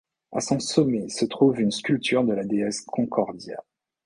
À son sommet se trouve une sculpture de la déesse Concordia.